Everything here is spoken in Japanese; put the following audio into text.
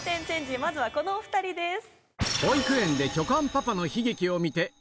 まずはこのお２人です。